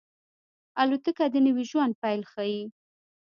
الوتکه د نوي ژوند پیل ښيي.